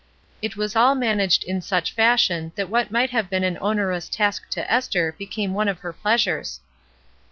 It was all managed in such fashion that what might have been an onerous task to Esther became one of her pleasures.